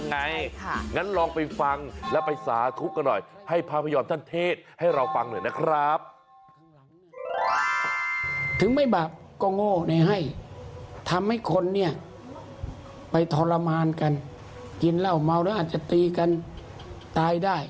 กันนั้นลองไปฟังและไปสาทุกข์กันหน่อย